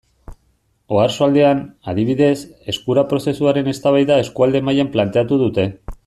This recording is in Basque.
Oarsoaldean, adibidez, Eskura prozesuaren eztabaida eskualde mailan planteatu dute.